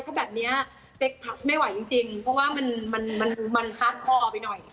ถ้าแบบนี้เฟคทัชไม่ไหวจริงเพราะว่ามันห้านพอไปหน่อย